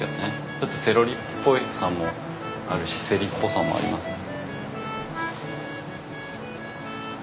ちょっとセロリっぽさもあるしセリっぽさもありますね。